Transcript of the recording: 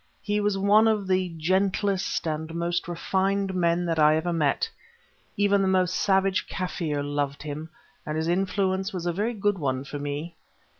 He was one of the gentlest and most refined men that I ever met; even the most savage Kaffir loved him, and his influence was a very good one for me.